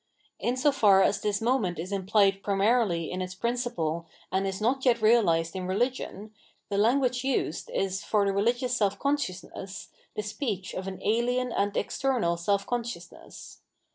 In so far as this moment is implied primarily in its principle and is not yet realised in religion, the language used is, for the rehgious self consciousness, the speech of an alien and external self consciousness.